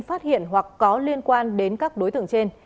phát hiện hoặc có liên quan đến các đối tượng trên